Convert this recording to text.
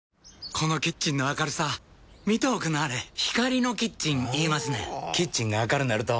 このキッチンの明るさ見ておくんなはれ光のキッチン言いますねんほぉキッチンが明るなると・・・